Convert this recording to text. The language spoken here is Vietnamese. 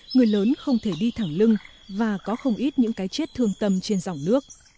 người lớn không thể đi thẳng lưng và có không ít những cái chết thương tâm trên dòng nước